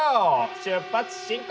出発進行！